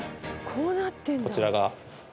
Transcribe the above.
こちらが。